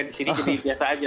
di sini gini biasa aja